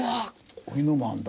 こういうのもあるんだ。